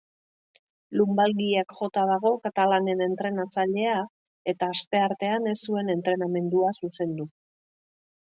Lunbalgiak jota dago katalanen entrenatzailea eta asteartean ez zuen entrenamendua zuzendu.